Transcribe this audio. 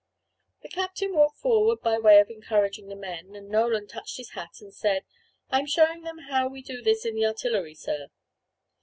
The captain walked forward by way of encouraging the men, and Nolan touched his hat and said: "I am showing them how we do this in the artillery, sir."